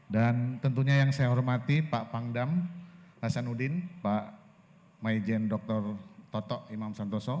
dan tentunya yang saya hormati pak pangdam hasanuddin pak majen dr toto imam santoso